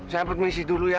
saya permisi dulu ya